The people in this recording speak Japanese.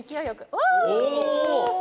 お！